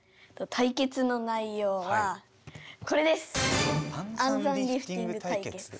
対決の内ようはこれです！